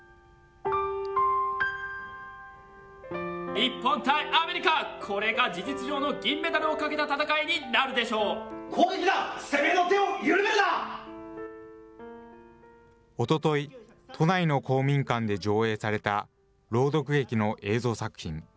日本対アメリカ、これが事実上の銀メダルをかけた戦いになるおととい、都内の公民館で上映された朗読劇の映像作品。